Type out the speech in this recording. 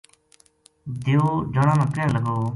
دیو جنا نا کہن لگو